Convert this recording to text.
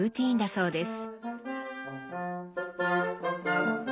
そうです。